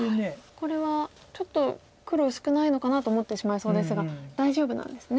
これはちょっと黒薄くないのかなと思ってしまいそうですが大丈夫なんですね。